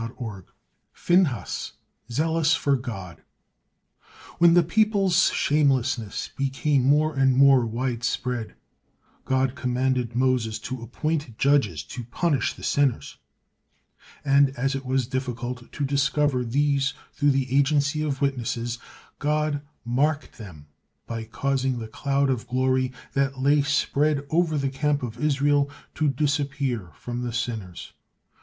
PHINEHAS, ZEALOUS FOR GOD When the people's shamelessness became more and more widespread, God commanded Moses to appoint judges to punish the sinners, and as it was difficult to discover these through the agency of witnesses, God marked them by causing the cloud of glory that lay spread over the camp of Israel to disappear from the sinners.